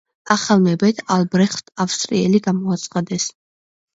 ახალ მეფედ ალბრეხტ ავსტრიელი გამოაცხადეს.